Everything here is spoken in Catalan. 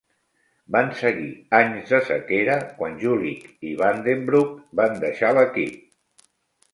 Van seguir anys de sequera quan Julich i Vandenbroucke van deixar l'equip.